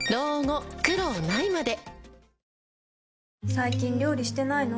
最近料理してないの？